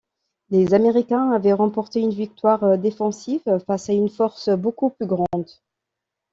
Les Américains avaient remporté une victoire défensive face à une force beaucoup plus grande.